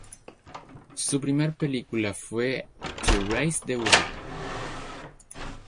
Su primer película fue To Race the Wind.